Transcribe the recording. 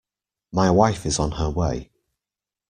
My wife is on her way.